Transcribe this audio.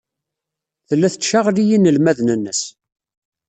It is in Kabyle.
Tella tettcaɣli inelmaden-nnes.